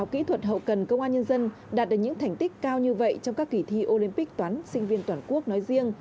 học kỹ thuật hậu cần công an nhân dân đạt được những thành tích cao như vậy trong các kỳ thi olympic toán sinh viên toàn quốc nói riêng